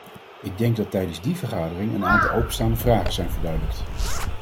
Ik denk dat tijdens die vergadering een aantal openstaande vragen zijn verduidelijkt.